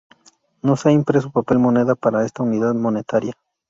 No se ha impreso papel moneda para esta unidad monetaria.